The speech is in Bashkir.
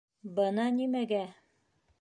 Бына нимәгә!